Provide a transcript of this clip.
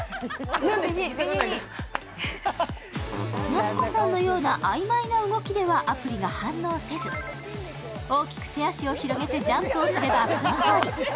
夏子さんのような曖昧な動きではアプリが反応せず、大きく手足を広げてジャンプをすれば、このとおり。